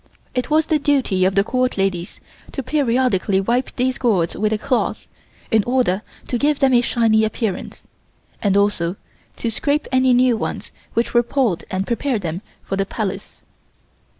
It was the duty of the Court ladies to periodically wipe these gourds with a cloth, in order to give them a shiny appearance, and also to scrape any new ones which were pulled and prepare them for the Palace.